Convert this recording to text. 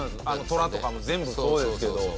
トラとかも全部そうですけど。